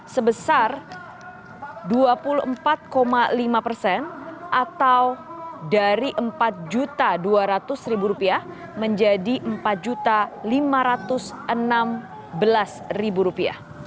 sebesar rp dua puluh empat lima persen atau dari rp empat dua ratus menjadi rp empat lima ratus enam belas